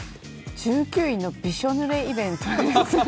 １９位のびしょぬれイベントですね。